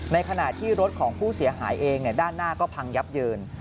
ในขณะที่รถของผู้เสียหายเองด้านหน้าก็พังยับเยิน